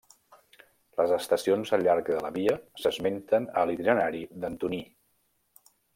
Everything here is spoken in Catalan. Les estacions al llarg de la via s'esmenten a l'Itinerari d'Antoní.